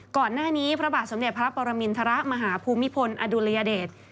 ก่อนหน้านี้พระบาทสมเด็จพระปรามิณฑระมหาภูมิพลอดุลยเดช